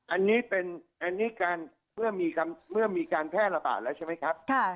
อันนี้เป็นมันมีการแพ้ระบาดแล้วใช่ไหมครับ